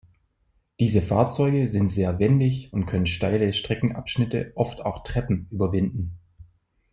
Diese Fahrzeuge sind sehr wendig und können steile Streckenabschnitte, oft auch Treppen, überwinden.